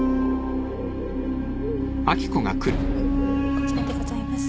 こちらでございます。